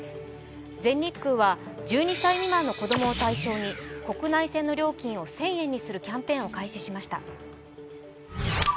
全日空は１２歳未満の子供を対象に国内線の料金を１０００円にするキャンペーンを開始しました。